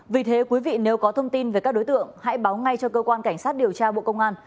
vì thế quý vị nếu có thông tin về các đối tượng hãy báo ngay cho cơ quan cảnh sát điều tra bộ công an